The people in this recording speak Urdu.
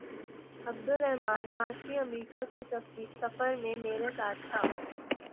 عبدالرحمٰن ماچھی امریکہ کے سفر میں میرے ساتھ تھا۔